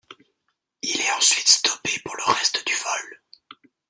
Il est ensuite stoppé pour le reste du vol.